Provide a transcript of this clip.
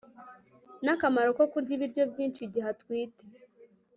n'akamaro ko kurya ibiryo byinshi igihe atwite